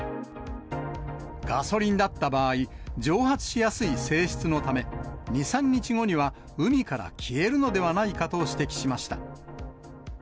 ガソリンだった場合、蒸発しやすい性質のため、２、３日後には海から消えるのではないかと指摘しました。